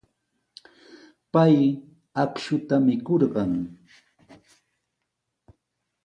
Pay akshuta mikurqan.